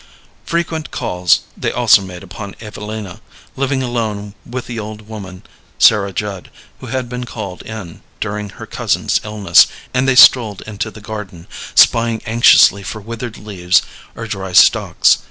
Frequent calls they also made upon Evelina, living alone with the old woman Sarah Judd, who had been called in during her cousin's illness, and they strolled into the garden, spying anxiously for withered leaves or dry stalks.